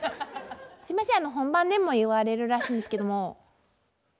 すいません本番でも言われるらしいんですけども。